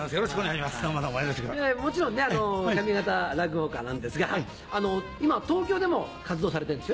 もちろん上方落語家なんですが今東京でも活動されてるんですよね？